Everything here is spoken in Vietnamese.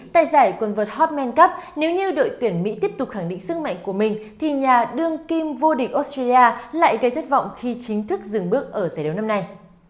tại giải quần vợt hopman cup nếu như đội tuyển mỹ tiếp tục khẳng định sức mạnh của mình thì nhà đương kim vô địch australia lại gây thất vọng khi chính thức dừng bước ở giải đấu năm nay